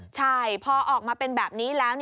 ใช่พอออกมาเป็นแบบนี้แล้ว